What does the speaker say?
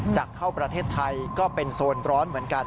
จะเข้าประเทศไทยก็เป็นโซนร้อนเหมือนกัน